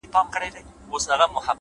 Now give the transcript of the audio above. پرمختګ د ځان ارزونې ته اړتیا لري,